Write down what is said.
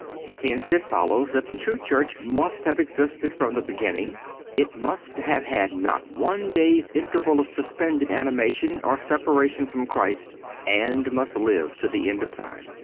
Hence it follows that the true Church must have existed from the beginning; it must have had not one day's interval of suspended animation, or separation from Christ, and must live to the end of time.